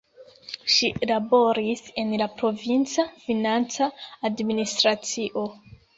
Ŝi laboris en la provinca financa administracio.